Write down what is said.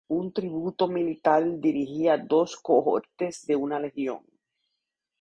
Un tribuno militar dirigía dos cohortes de una legión.